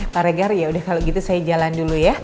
pak regar yaudah kalau gitu saya jalan dulu ya